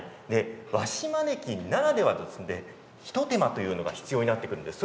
和紙マネキンならではの一手間というのが必要になってくるんです。